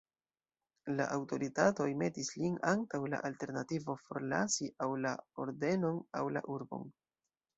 La aŭtoritatoj metis lin antaŭ la alternativo forlasi aŭ la ordenon aŭ la urbon.